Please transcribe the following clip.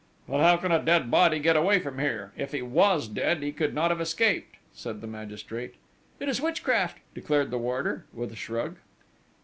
"But how can a dead body get away from here? If he was dead, he could not have escaped!" said the magistrate. "It is witchcraft!" declared the warder, with a shrug.